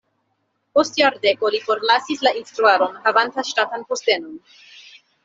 Post jardeko li forlasis la instruadon havanta ŝtatan postenon.